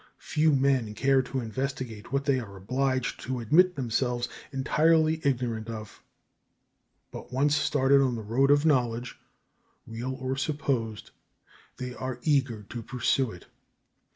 Few men care to investigate what they are obliged to admit themselves entirely ignorant of; but once started on the road of knowledge, real or supposed, they are eager to pursue it.